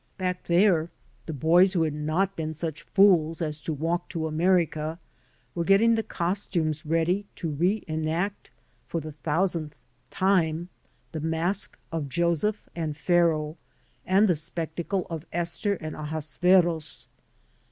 Back there the boys who had not been such fools as to walk to America were getting thecostumes ready to re enactf or the thousandth time the mask of Joseph and Pharaoh and the spectacle of Esther and Ahasuerus.